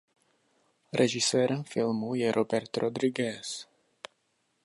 Režisérem filmu je Robert Rodriguez.